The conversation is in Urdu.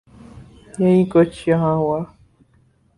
یہی کچھ یہاں ہوا۔